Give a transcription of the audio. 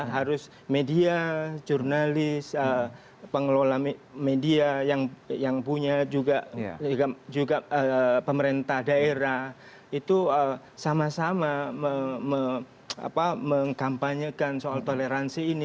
harus media jurnalis pengelola media yang punya juga pemerintah daerah itu sama sama mengkampanyekan soal toleransi ini